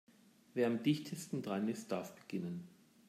Wer am dichtesten dran ist, darf beginnen.